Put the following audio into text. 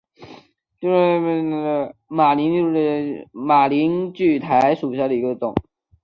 剑川马铃苣苔为苦苣苔科马铃苣苔属下的一个种。